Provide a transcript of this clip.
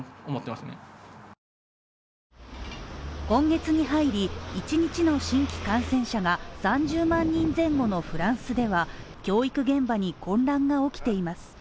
今月に入り１日の新規感染者が３０万人前後のフランスでは、教育現場に混乱が起きています。